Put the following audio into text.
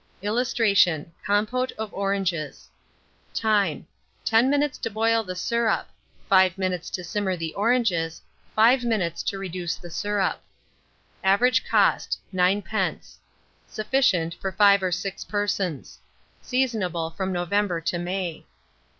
[Illustration: COMPÔTE OF ORANGES.] Time. 10 minutes to boil the syrup; 5 minutes to simmer the oranges; 5 minutes to reduce the syrup. Average cost, 9d. Sufficient for 5 or 6 persons. Seasonable from November to May.